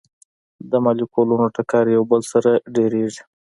د مالیکولونو ټکر یو بل سره ډیریږي.